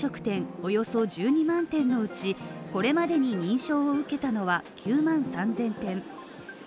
およそ１２万店のうち、これまでに認証を受けたのは９万３０００店。